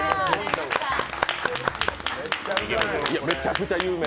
めちゃくちゃ有名。